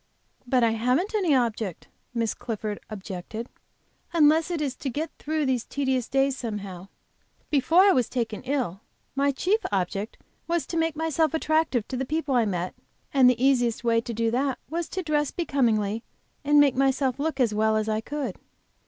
"But I haven't any object," Miss Clifford objected, "unless it is to get through these tedious days somehow. Before I was taken ill my chief object was to make myself attractive to the people I met. And the easiest way to do that was to dress becomingly and make myself look as well as I could."